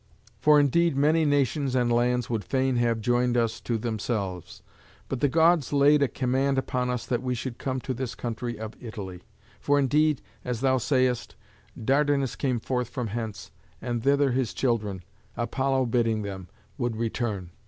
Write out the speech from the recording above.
For indeed many nations and lands would fain have joined us to themselves. But the Gods laid a command upon us that we should come to this country of Italy. For indeed, as thou sayest, Dardanus came forth from hence, and thither his children, Apollo bidding them, would return.